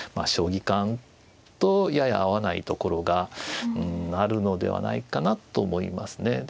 将棋観とやや合わないところがあるのではないかなと思いますね。